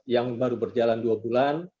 yang baru berjalan dua bulan